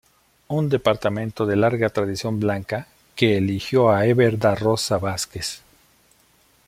Un departamento de larga tradición blanca, que eligió a Eber da Rosa Vázquez.